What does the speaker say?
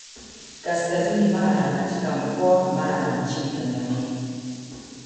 Kaskazini Mara katika mkoa wa Mara nchini Tanzania